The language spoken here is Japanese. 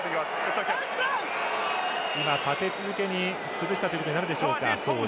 今、立て続けに崩したということになるでしょうか。